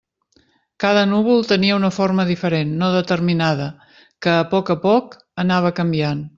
Cada núvol tenia una forma diferent, no determinada, que, a poc a poc, anava canviant.